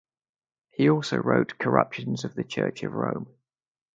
He wrote also "Corruptions of the Church of Rome".